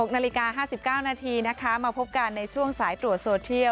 ๖นาฬิกา๕๙นาทีนะคะมาพบกันในช่วงสายตรวจโซเทียล